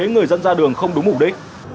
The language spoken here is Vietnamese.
những người dân ra đường không đúng mục đích